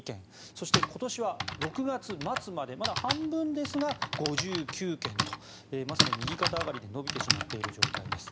そして今年は６月末までまだ半分ですが５９件とまさに右肩上がりで伸びてしまっている状況です。